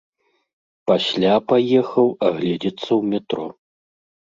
Пасля паехаў агледзецца ў метро.